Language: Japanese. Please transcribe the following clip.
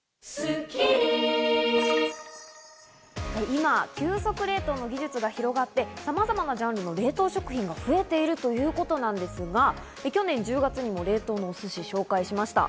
今、急速冷凍の技術が広がって、さまざまなジャンルの冷凍食品が増えているということなんですが、去年１０月にも冷凍のお寿司ご紹介しました。